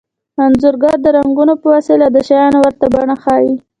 انځورګر د رنګونو په وسیله د شیانو ورته بڼې ښيي